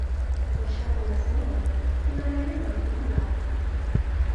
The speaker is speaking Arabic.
وَالشَّرْعُ مَسْمُوعٌ فِيمَا لَا يَمْنَعُ مِنْهُ الْعَقْلُ